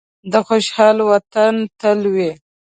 د خوشحال وطن تل وي.